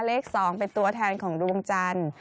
เลข๒เป็นตัวแทนของดวงจันทร์